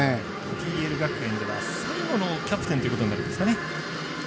ＰＬ学園では最後のキャプテンということになるんですかね。